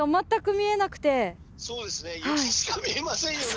そうですね雪しか見えませんよね！